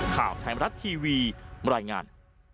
ข่าวไทยมรัฐทีวีบรรยายงาน